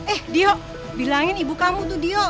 eh dia bilangin ibu kamu tuh dio